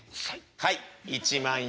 はい１万円」。